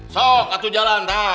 sok atuh jalan dah